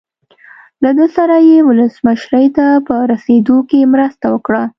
له ده سره یې ولسمشرۍ ته په رسېدو کې مرسته وکړه.